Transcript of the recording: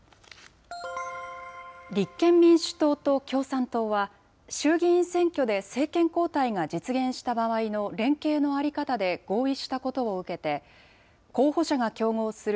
立憲民主党と共産党は、衆議院選挙で政権交代が実現した場合の連携の在り方で合意したことを受けて、候補者が競合する